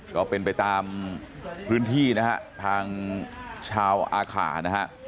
ก็เป็นไปตามพื้นที่นะฮะทางชาวอาขานะฮะ